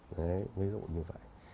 đấy ví dụ như vậy